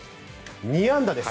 ２安打です。